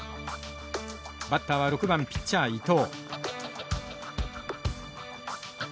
バッターは６番ピッチャー伊藤。